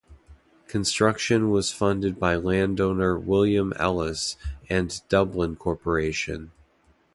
Construction was funded by landowner William Ellis, and Dublin Corporation.